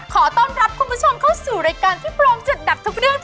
ขอต้อนรับคุณผู้ชมเข้าสู่รายการที่พร้อมจัดหนักทุกเรื่อง